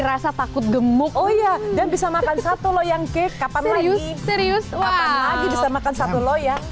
rasa takut gemuk oh iya dan bisa makan satu loyang cake kapan lagi serius serius makan satu loyang